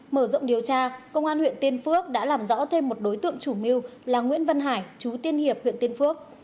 mở rộng điều tra công an huyện tiên phước đã làm rõ thêm một đối tượng chủ mưu là nguyễn văn hải chú tiên hiệp huyện tiên phước